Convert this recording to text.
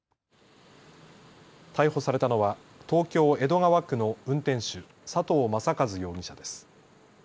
逮捕されたのは東京江戸川区の運転手、佐藤正和容疑者です。